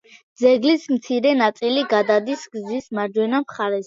ძეგლის მცირე ნაწილი გადადის გზის მარჯვენა მხარესაც.